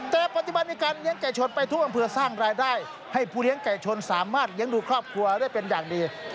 แต่ปัจจุบันมีการเลี้ยงไก่ชนไปทั่วอำเภอสร้างรายได้ให้ผู้เลี้ยงไก่ชนสามารถเลี้ยงดูครอบครัวได้เป็นอย่างดี